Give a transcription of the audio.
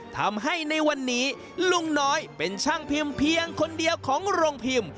ทำให้ในวันนี้ลุงน้อยเป็นช่างพิมพ์เพียงคนเดียวของโรงพิมพ์